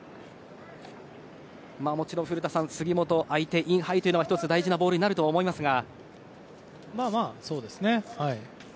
もちろん古田さん、杉本相手にインハイというのは１つ大事なボールになるとは思いますが。